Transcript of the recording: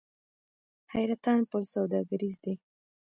حیرتان پل سوداګریز دی؟